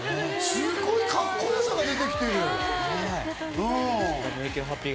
すごくカッコよくなってきてる。